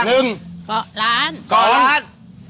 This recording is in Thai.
เกาะร้าน